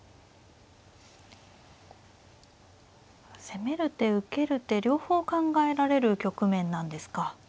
攻める手受ける手両方考えられる局面なんですか。